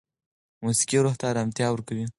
موسیقي روح ته ارامتیا ورکوي.